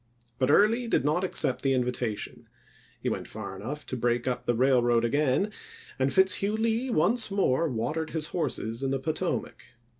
But Early did not accept the invitation; he went far enough to break up the railroad again, and Fitzhugh Lee once more watered his horses in the Potomac.